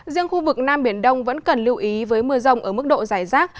riêng khu vực nam biển đông vẫn cần lưu ý với mưa rông ở mức độ dài rác